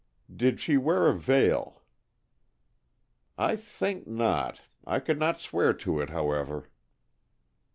"Did she wear a veil?" "I think not. I could not swear to it, however."